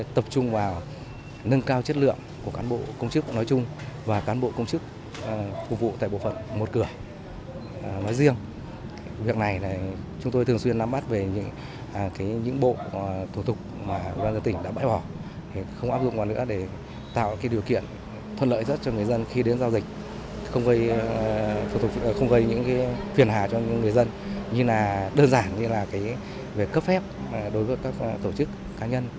tổ chức đã tập trung xây dựng và nâng cao chất lượng đội ngũ cán bộ viên chức